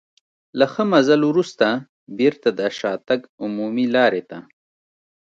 له ښه مزل وروسته بېرته د شاتګ عمومي لارې ته.